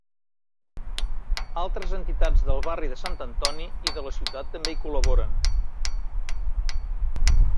Altres entitats del barri de Sant Antoni i de la ciutat també hi col·laboren.